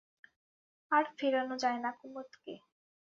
আর ফেরানো যায় না কুমুদকে।